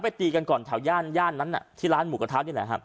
ตีกันก่อนแถวย่านย่านนั้นที่ร้านหมูกระทะนี่แหละครับ